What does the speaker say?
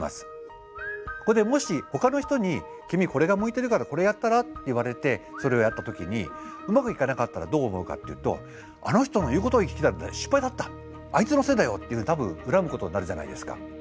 ここでもしほかの人に「君これが向いてるからこれやったら？」って言われてそれをやった時にうまくいかなかったらどう思うかっていうとあの人の言うことを聞いたから失敗だったあいつのせいだよっていうふうに多分恨むことになるじゃないですか。